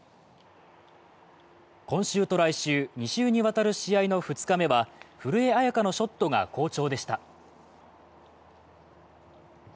今週と来週、２週にわたる試合の２日目は、古江彩佳のショットが好調でした。